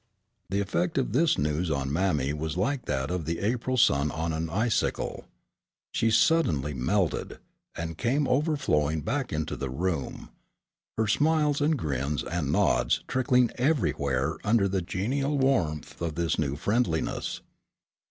The effect of this news on mammy was like that of the April sun on an icicle. She suddenly melted, and came overflowing back into the room, her smiles and grins and nods trickling everywhere under the genial warmth of this new friendliness.